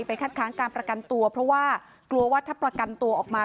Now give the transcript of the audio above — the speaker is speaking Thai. คัดค้างการประกันตัวเพราะว่ากลัวว่าถ้าประกันตัวออกมา